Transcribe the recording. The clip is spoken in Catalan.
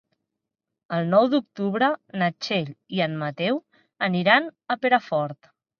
El nou d'octubre na Txell i en Mateu aniran a Perafort.